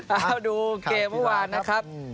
เอาดูเกมเมื่อวานนะครับ